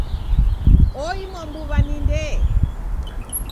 Oimwa mbuw'a ni Ndee.